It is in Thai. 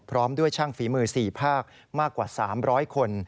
พร้อมด้วยช่างฝีมือ๔ภาคมากกว่า๓๐๐คน